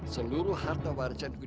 seluruh harta warisanku